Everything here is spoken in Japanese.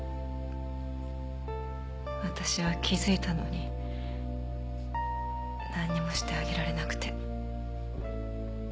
私は気づいたのに何もしてあげられなくて。